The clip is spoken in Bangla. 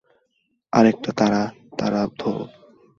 আর একটা তারা তারা ধরো।